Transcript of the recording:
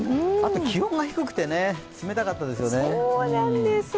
あと気温が低くて冷たかったですよね。